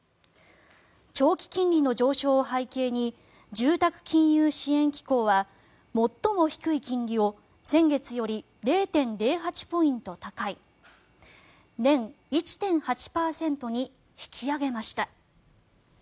長期金利の上昇を背景に住宅金融支援機構は最も低い金利を先月より０．０８ポイント高い年１．８％に引き上げました。